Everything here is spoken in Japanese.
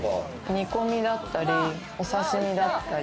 煮込みだったり、お刺身だったり。